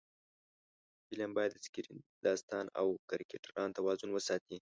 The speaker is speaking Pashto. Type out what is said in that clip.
فلم باید د سکرېن، داستان او کرکټر توازن وساتي